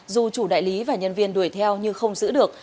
dù chủ đại lý và nhân viên đuổi theo nhưng không giữ được